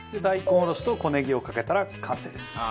大根おろしと小ネギをかけたら完成です。